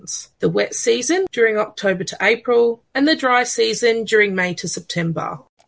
sejarah panas pada oktober hingga april dan sejarah kering pada mei hingga september